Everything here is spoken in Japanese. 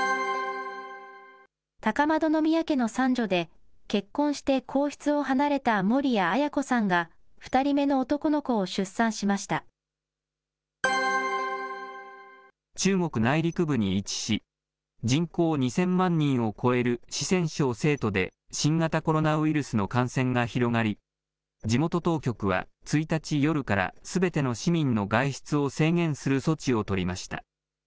高円宮家の三女で結婚して皇室を離れた守谷絢子さんが、２人中国内陸部に位置し、人口２０００万人を超える四川省成都で新型コロナウイルスの感染が広がり、地元当局は１日夜からすべての市民の外出を制限する措置を取りました。